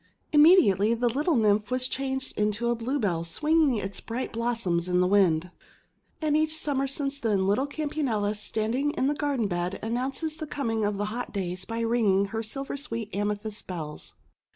Im mediately the little Nymph was changed into a Bluebell swinging its bright blossoms in the wind. And each Summer since then little Campanula, standing in the garden bed, announces the com ing of the hot days by ringing her silver sweet amethyst bells.